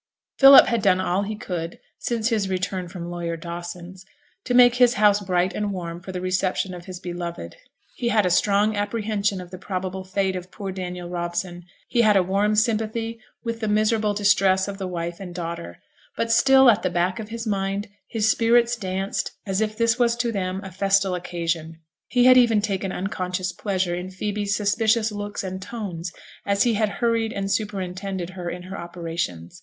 Philip had done all he could, since his return from lawyer Dawson's, to make his house bright and warm for the reception of his beloved. He had a strong apprehension of the probable fate of poor Daniel Robson; he had a warm sympathy with the miserable distress of the wife and daughter; but still at the back of his mind his spirits danced as if this was to them a festal occasion. He had even taken unconscious pleasure in Phoebe's suspicious looks and tones, as he had hurried and superintended her in her operations.